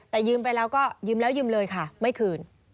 แต่ยืมไปแล้วก็ยืมแล้วยืมเลยค่ะไม่คืน